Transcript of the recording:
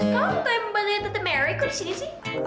kau kayak membeli tete merikku di sini sih